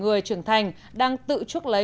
người trưởng thành đang tự trúc lấy